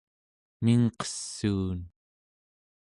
mingqessuun